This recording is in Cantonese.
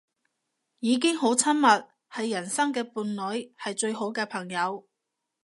已經好親密，係人生嘅伴侶，係最好嘅朋友